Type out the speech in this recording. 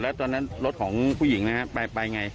แล้วตอนนั้นรถของผู้หญิงนะครับไปไง